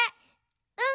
うん！